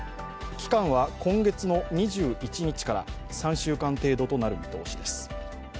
期間は今月２１日から３週間程度となる見通しです。